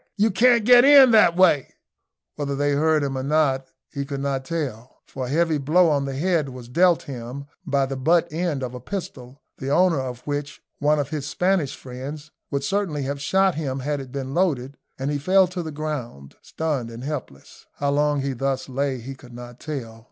you can't get in that way!" Whether they heard him or not he could not tell, for a heavy blow on the head was dealt him by the butt end of a pistol, the owner of which, one of his Spanish friends, would certainly have shot him had it been loaded, and he fell to the ground, stunned and helpless. How long he thus lay he could not tell.